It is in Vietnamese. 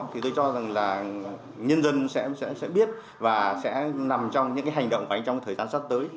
thì tôi cho rằng là nhân dân sẽ biết và sẽ nằm trong những cái hành động của anh trong thời gian sắp tới